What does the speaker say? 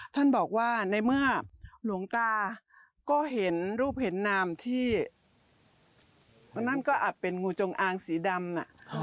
ท่านบอกว่าในเมื่อหลวงตาก็เห็นรูปเห็นนามที่อันนั้นก็อาจเป็นงูจงอางสีดำน่ะ